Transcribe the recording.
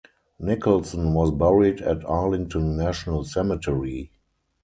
Nicholson was buried at Arlington National Cemetery.